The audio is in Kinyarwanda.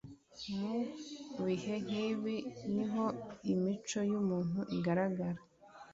mubihe nkibi niho imico yumuntu igaragara